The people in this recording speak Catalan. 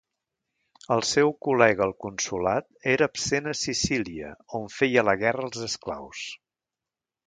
El seu col·lega al consolat era absent a Sicília on feia la guerra als esclaus.